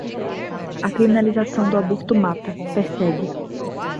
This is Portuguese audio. A criminalização do aborto mata, persegue